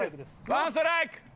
ワンストライク！